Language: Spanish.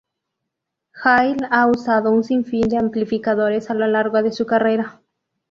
Hill ha usado un sin fin de amplificadores a lo largo de su carrera.